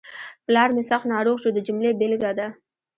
پلار مې سخت ناروغ شو د جملې بېلګه ده.